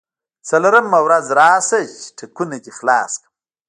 څلورمه ورځ راشه چې ټکونه دې خلاص کړم.